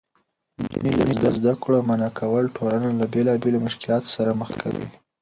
نجونې له زده کړو منعه کول ټولنه له بېلابېلو مشکلاتو سره مخ کوي.